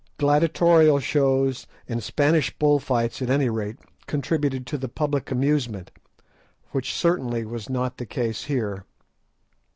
Gladiatorial shows and Spanish bull fights at any rate contributed to the public amusement, which certainly was not the case here.